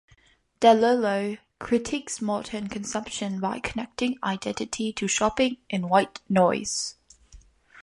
DeLillo critiques modern consumption by connecting identity to shopping in "White Noise".